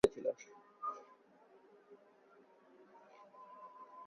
সুতরাং তাহার দেহকোষস্থিত পরমাণুগুলি দেব-দেহে পরিণত হইয়াছিল।